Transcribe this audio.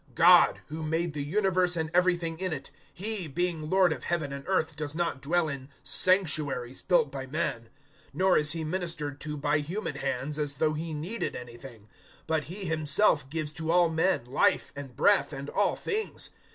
017:024 GOD who made the universe and everything in it He, being Lord of Heaven and earth, does not dwell in sanctuaries built by men. 017:025 Nor is He ministered to by human hands, as though He needed anything but He Himself gives to all men life and breath and all things.